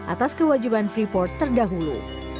atas kewajiban freeport terdahulu